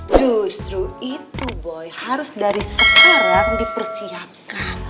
justru itu boy harus dari sekarang dipersiapkan